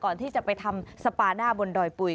ก่อนที่จะไปทำสปาหน้าบนดอยปุ๋ย